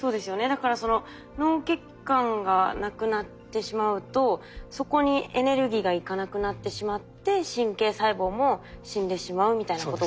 だから脳血管が無くなってしまうとそこにエネルギーが行かなくなってしまって神経細胞も死んでしまうみたいなことが。